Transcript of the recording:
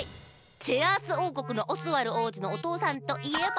チェアースおうこくのオスワルおうじのおとうさんといえば？